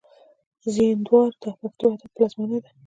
زينداور د پښتو ادب پلازمېنه ده.